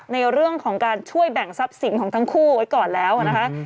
ในเรื่องของการช่วยแบ่งทรัพย์สินของทั้งคู่ไว้ก่อนแล้วนะคะ